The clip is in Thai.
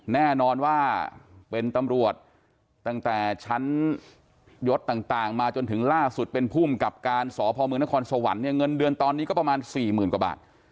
แน่นอนว่าเป็นตำรวจตั้งแต่ชั้นยศต่างมาจนถึงล่าสุดเป็นภูมิกับการสพมนครสวรรค์เนี่ยเงินเดือนตอนนี้ก็ประมาณสี่หมื่นกว่าบาท